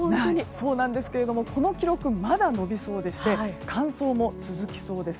そうなんですけどもこの記録、まだ伸びそうでして乾燥も続きそうです。